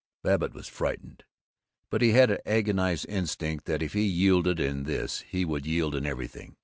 Babbitt was frightened, but he had an agonized instinct that if he yielded in this he would yield in everything.